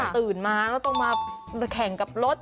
ตื่นมาแล้วต้องมาแข่งกับรถ